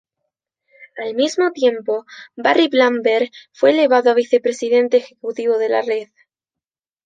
Al mismo tiempo, Barry Blumberg fue elevado a vicepresidente ejecutivo de la red.